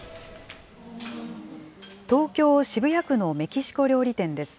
東京・渋谷区のメキシコ料理店です。